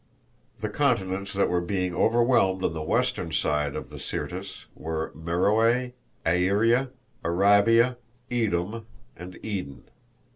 The continents that were being overwhelmed on the western side of the Syrtis were Meroe, Aeria, Arabia, Edom and Eden.